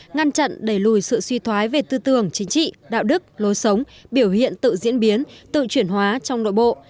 ngăn chặn đẩy lùi sự suy thoái về tư tưởng chính trị đạo đức lối sống biểu hiện tự diễn biến tự chuyển hóa trong nội bộ